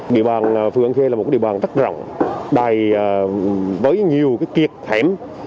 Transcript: địa bàn phường an khê là một địa bàn rất rộng đầy với nhiều kiệt hẻm